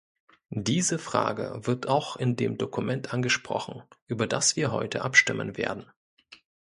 Diese Frage wird auch in dem Dokument angesprochen, über das wir heute abstimmen werden.